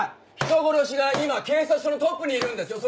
人殺しが今警察署のトップにいるんですよ。